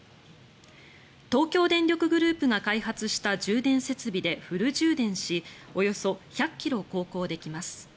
東京電力グループが開発した充電設備でフル充電しおよそ１００ｋｍ航行できます。